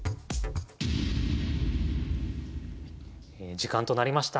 時間となりました。